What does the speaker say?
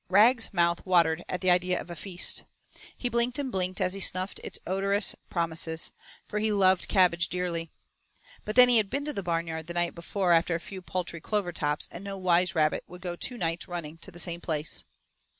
Rag's mouth watered at the idea of the feast. He blinked and blinked as he snuffed its odorous promises, for he loved cabbage dearly. But then he had been to the barnyard the night before after a few paltry clover tops, and no wise rabbit would go two nights running to the same place.